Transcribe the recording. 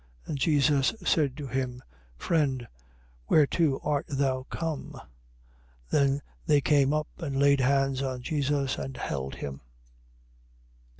26:50. And Jesus said to him: Friend, whereto art thou come? Then they came up and laid hands on Jesus and held him.